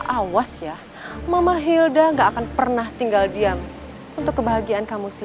awas ya mama hilda nggak akan pernah tinggal diam untuk kebahagiaan kamu sih